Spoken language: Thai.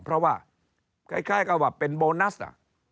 เพราะว่าคล้ายกับว่าเป็นโบนัส